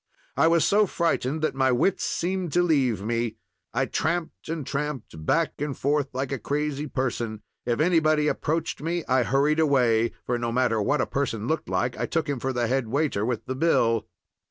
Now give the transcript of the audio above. I was so frightened that my wits seemed to leave me. I tramped and tramped, back and forth, like a crazy person. If anybody approached me I hurried away, for no matter what a person looked like, I took him for the head waiter with the bill.